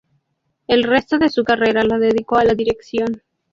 El resto de su carrera lo dedicó a la dirección.